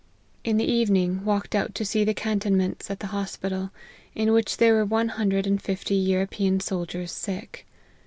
In the evening, walked out to see the cantonments at the hospital, in which there were one hundred and fifty European soldiers sick.